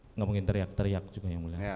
tidak mungkin teriak teriak juga yang mulia